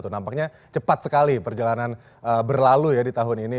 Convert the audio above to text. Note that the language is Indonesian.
nampaknya cepat sekali perjalanan berlalu ya di tahun ini